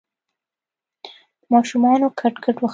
ماشومانو کټ کټ وخندل.